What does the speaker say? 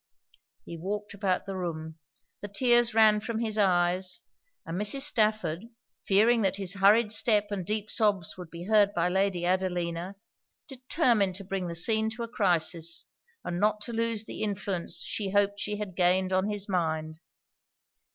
He walked about the room; the tears ran from his eyes; and Mrs. Stafford, fearing that his hurried step and deep sobs would be heard by Lady Adelina, determined to bring the scene to a crisis and not to lose the influence she hoped she had gained on his mind.